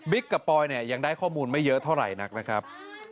กับปอยเนี่ยยังได้ข้อมูลไม่เยอะเท่าไหร่นักนะครับ